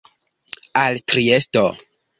Al Triesto.